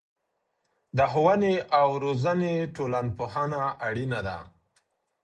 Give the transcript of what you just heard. د ښوونې او روزنې ټولنپوهنه اړينه ده.